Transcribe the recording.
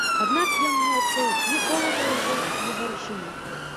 Аднак, ён не адчуў ні холаду яе, ні гарачыні.